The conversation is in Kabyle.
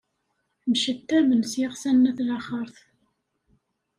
Mcettamen s yiɣsan n at laxert.